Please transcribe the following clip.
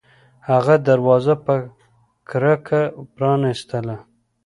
هغه دروازه په کرکه پرانیستله